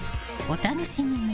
お楽しみに。